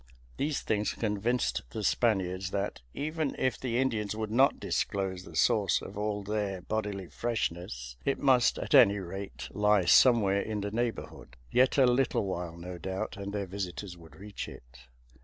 These things convinced the Spaniards that, even if the Indians would not disclose the source of all their bodily freshness, it must, at any rate, lie somewhere in the neighborhood. Yet a little while, no doubt, and their visitors would reach it.